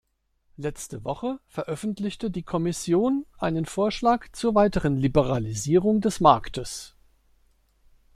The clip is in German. Letzte Woche veröffentlichte die Kommission einen Vorschlag zur weiteren Liberalisierung des Marktes.